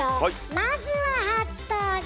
まずは初登場！